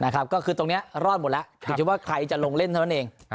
ก็คือตรงนี้รอดหมดแล้วอยู่ที่ว่าใครจะลงเล่นเท่านั้นเอง